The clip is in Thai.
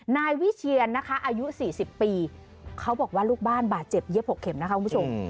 นายวิเชียนนะคะอายุ๔๐ปีเขาบอกว่าลูกบ้านบาดเจ็บเย็บ๖เข็มนะคะคุณผู้ชม